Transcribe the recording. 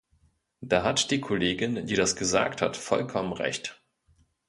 Da hat die Kollegin, die das gesagt hat, vollkommen recht.